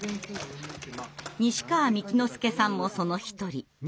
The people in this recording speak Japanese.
西川幹之佑さんもその一人。